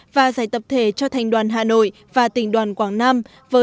và giải tập thể cho thành đoàn hà nội và tỉnh đoàn quảng nam